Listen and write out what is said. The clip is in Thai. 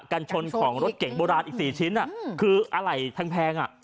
กัญชนของรถเก่งโบราณอีกสี่ชิ้นอ่ะคืออะไหล่แพงอ่ะ